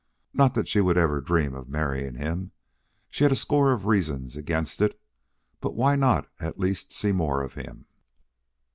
Not that she would ever dream of marrying him she had a score of reasons against it; but why not at least see more of him?